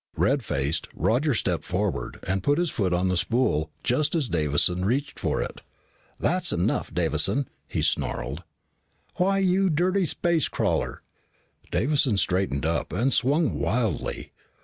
Red faced, Roger stepped forward and put his foot on the spool just as Davison reached for it. "That's enough, Davison," he snarled. "Why, you dirty space crawler " Davison straightened up and swung wildly.